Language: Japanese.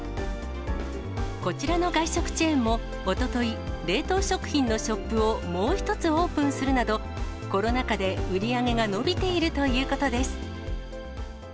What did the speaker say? こちらの外食チェーンも、おととい、冷凍食品のショップをもう１つオープンするなど、コロナ禍で売り上げが伸びているということです。